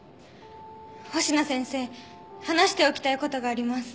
星名先生話しておきたい事があります。